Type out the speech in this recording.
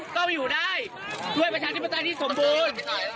ก็จะอยู่ได้ด้วยประชาชนิดประชาธิปไตยที่สมบูรณ์